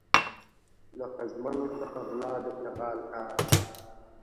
له ښځمنو څخه غلا د چغال کار دی.